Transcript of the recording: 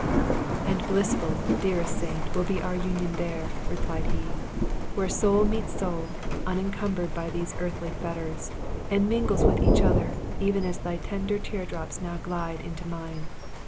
"And blissful, dearest saint, will be our union there," replied he, "where soul meets soul, unencumbered of these earthly fetters; and mingles with each other, even as thy tender teardrops now glide into mine!